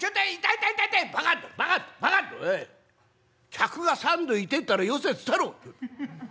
客が３度痛えったらよせっつったろ！